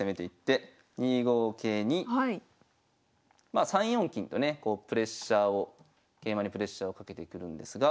まあ３四金とねこうプレッシャーを桂馬にプレッシャーをかけてくるんですが。